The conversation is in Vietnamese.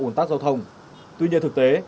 ổn tắc giao thông tuy nhiên thực tế